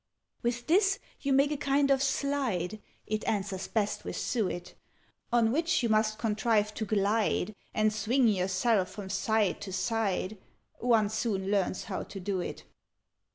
"With this you make a kind of slide (It answers best with suet), On which you must contrive to glide, And swing yourself from side to side One soon learns how to do it.